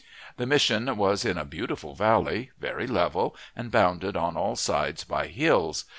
The Mission was in a beautiful valley, very level, and bounded on all sides by hills.